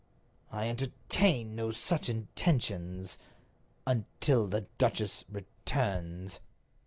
"I entertain no such intentions—until the duchess returns."